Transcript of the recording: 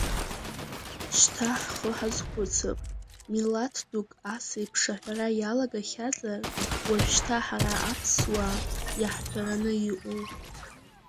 Шьҭа ҳхы ҳазхәыцып, милаҭ дук асеиԥш аҳәара иалагахьазар, уажәшьҭа ҳара аԥсуаа иаҳҳәараны иҟоу.